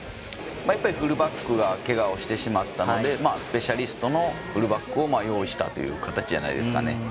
やっぱりフルバックがけがをしてしまったのでスペシャリストのフルバックを用意したという形じゃないですかね。